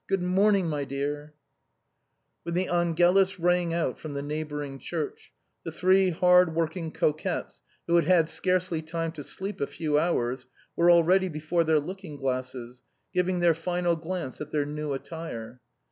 Good morning, my dear !" When the angclus rang out from the neighboring church, the three hard working coquettes, who had had scarcely time to sleep a few hours, were already before their look ing glasses, giving their final glance at their new attire.